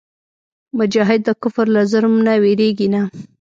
مجاهد د کفر له ظلم نه وېرېږي نه.